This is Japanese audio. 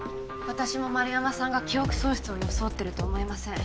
私も円山さんが記憶喪失を装っていると思えません。